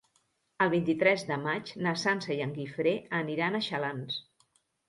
El vint-i-tres de maig na Sança i en Guifré aniran a Xalans.